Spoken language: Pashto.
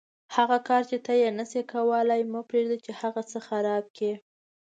هغه کار چې ته یې نشې کولای مه پرېږده چې هغه څه خراب کړي.